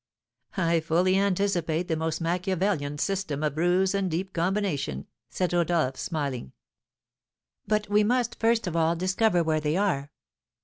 "I fully anticipate the most Machiavelian system of ruse and deep combination," said Rodolph, smiling. "But we must, first of all, discover where they are.